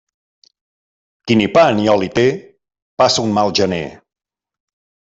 Qui ni pa ni oli té, passa un mal gener.